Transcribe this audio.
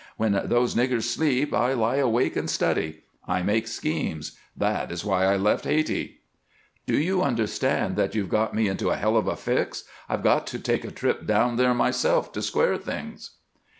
When those niggers sleep I lie awake and study; I make schemes. That is why I left Hayti." "Do you understand that you've got me into a hell of a fix? I've got to take a trip down there myself to square things."